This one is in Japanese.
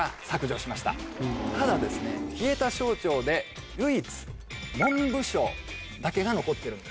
ただ消えた省庁で唯一文部省だけが残ってるんです。